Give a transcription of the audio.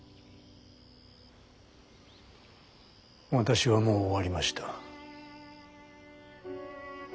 私はもう終わりました。